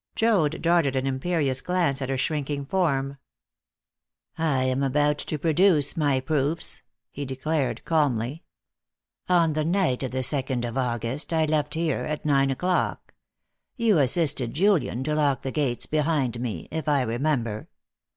Joad darted an imperious glance at her shrinking form. "I am about to produce my proofs," he declared calmly. "On the night of the second of August I left here at nine o'clock. You assisted Julian to lock the gates behind me, if I remember.